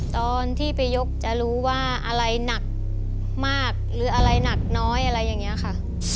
ตอนที่ไปยกจะรู้ว่าอะไรหนักมากหรืออะไรหนักน้อยอะไรอย่างนี้ค่ะ